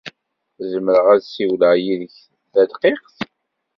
Zemreɣ ad ssiwleɣ yid-k tadqiqt?